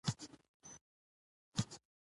ډېر شیان شته چې پیسې یې نشي اخیستلی.